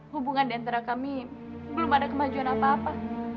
hubungan diantara kami belum ada kemajuan apa apa